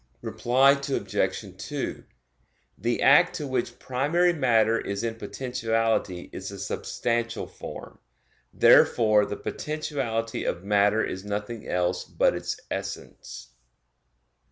Reply Obj. 2: The act to which primary matter is in potentiality is the substantial form. Therefore the potentiality of matter is nothing else but its essence.